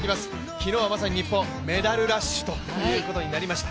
昨日はまさに日本、メダルラッシュということになりました。